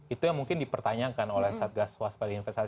itu yang mungkin dipertanyakan oleh satgas waspada investasi